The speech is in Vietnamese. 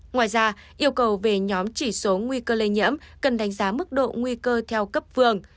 ngoài ra yêu cầu về nhóm chỉ số nguy cơ lây nhiễm cần đánh giá mức độ nguy cơ theo cấp vườn